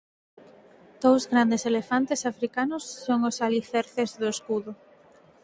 Dous grandes elefantes africanos son os alicerces do escudo.